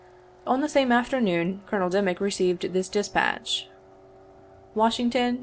On the same afternoon, Col. Dimick received this dispatch :" Washington, Nov.